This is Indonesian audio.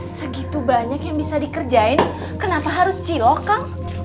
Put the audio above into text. segitu banyak yang bisa dikerjain kenapa harus cilok kang